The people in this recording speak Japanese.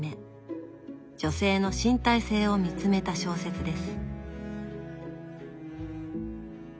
女性の身体性を見つめた小説です。